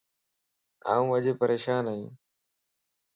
آن اڄ پريشان ائي